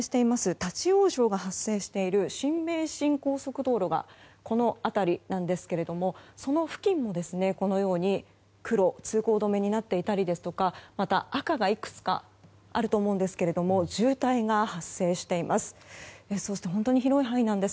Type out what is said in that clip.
立ち往生が発生している新名神高速道路がこの辺りなんですがその付近も黒の通行止めとなっていたりまた赤がいくつかあると思うんですが渋滞が発生しています。